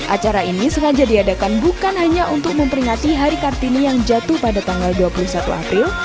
acara ini sengaja diadakan bukan hanya untuk memperingati hari kartini yang jatuh pada tanggal dua puluh satu april